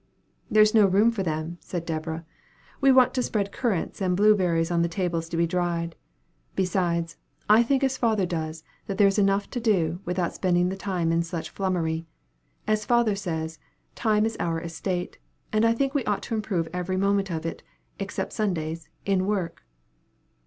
"There is no room for them," said Deborah. "We want to spread currants and blueberries on the tables to be dried. Besides, I think as father does, that there is enough to do, without spending the time in such flummery. As father says, 'time is our estate,' and I think we ought to improve every moment of it, except Sundays, in work."